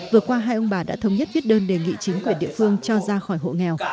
vừa qua hai ông bà đã thống nhất viết đơn đề nghị chính quyền địa phương cho ra khỏi hộ nghèo